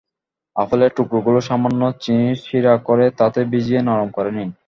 আপেলের টুকরাগুলো সামান্য চিনির সিরা করে তাতে ভিজিয়ে নরম করে নিন।